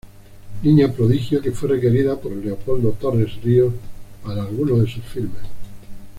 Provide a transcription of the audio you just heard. Niña prodigio que fue requerida por Leopoldo Torres Ríos para algunos de sus filmes.